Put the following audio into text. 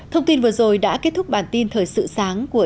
thông tin vừa rồi đã kết thúc bản tin thời sự